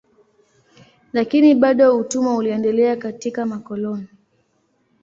Lakini bado utumwa uliendelea katika makoloni.